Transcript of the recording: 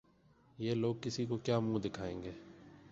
یہ لوگ کسی کو کیا منہ دکھائیں گے؟